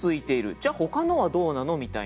じゃあほかのはどうなの？みたいな。